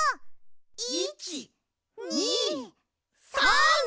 １２３！